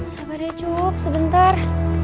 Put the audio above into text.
sabar ya cukup sebentar